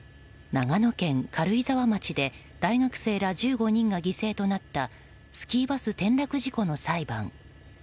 長野県軽井沢町で大学生ら１５人が犠牲となったスキーバス転落事故の裁判。